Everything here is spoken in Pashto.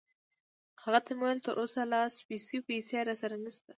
هغه ته مې وویل: تراوسه لا سویسی پیسې راسره نشته.